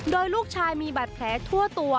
โดยลูกชายมีบาดแผลทั่วตัว